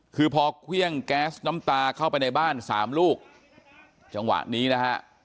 คือพอเครื่องแก๊สน้ำตาเข้าไปในบ้านสามลูกจังหวะนี้นะฮะ